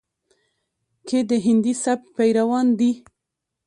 کې د هندي سبک پېروان دي،